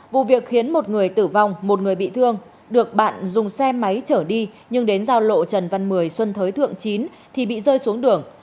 vụ việc khiến một người tử vong một người bị thương được bạn dùng xe máy chở đi nhưng đến giao lộ trần văn mười xuân thới thượng chín thì bị rơi xuống đường